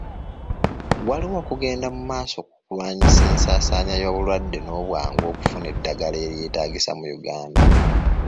Waliwo okugenda mu maaso ku kulwanyisa ensaasaana y'obulwadde n'obwangu okufuna eddagala eryeetaagisa mu Uganda.